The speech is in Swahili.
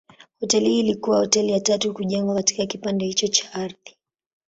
Hoteli hii ilikuwa hoteli ya tatu kujengwa katika kipande hicho cha ardhi.